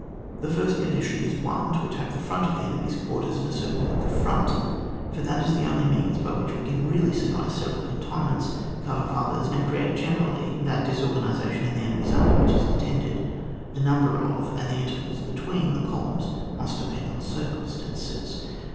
The first condition is :— (1 .) To attack the front of the enemy's quarters in a certain width of front, for that is the only means by which we can really surprise several cantonments, cut off others, and create generally that dis organisation in the enemy's army which is intended. — The number of, and the in tervals between, the columns must de pend on circumstances.